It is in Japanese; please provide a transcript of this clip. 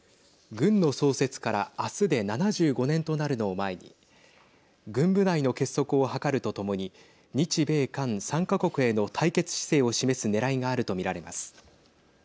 軍の創設から明日で７５年となるのを前に軍部内の結束を図るとともに日米韓３か国への対決姿勢を示すねらいがあると見られます。